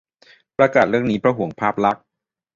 - ประกาศเรื่องนี้เพราะห่วงภาพลักษณ์